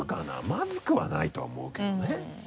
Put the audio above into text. まずくはないとは思うけどね。